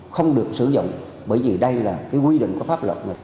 không được sử dụng bởi vì đây là cái quy định của pháp luật